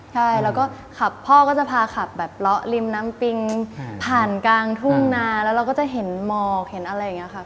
ใช่แล้วก็ขับพ่อก็จะพาขับแบบเลาะริมน้ำปิงผ่านกลางทุ่งนาแล้วเราก็จะเห็นหมอกเห็นอะไรอย่างนี้ค่ะ